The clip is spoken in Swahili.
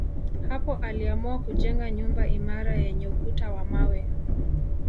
Hapo aliamua kujenga nyumba imara yenye ukuta wa mawe